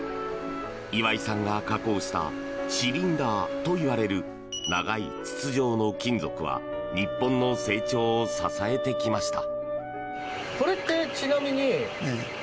岩井さんが加工したシリンダーといわれる長い筒状の金属は日本の成長を支えてきました。